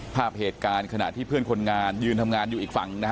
ภาพเหตุการณ์ขณะที่เพื่อนคนงานยืนทำงานอยู่อีกฝั่งนะฮะ